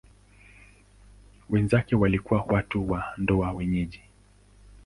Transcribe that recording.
Wenzake walikuwa watu wa ndoa wenyeji.